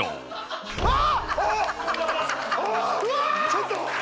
ちょっと！